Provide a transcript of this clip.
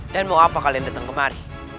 dan mau apa kalian datang kemari